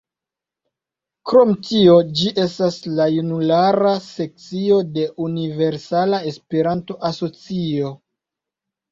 Krom tio, ĝi estas la junulara sekcio de Universala Esperanto-Asocio.